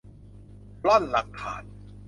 ร่อนหลักฐาน